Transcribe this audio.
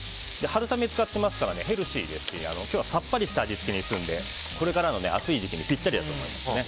春雨使っていますからヘルシーですし今日はさっぱりした味付けにするのでこれからの暑い時期にピッタリだと思います。